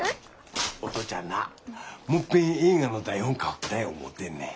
お父ちゃんなもっぺん映画の台本書きたい思うてんねん。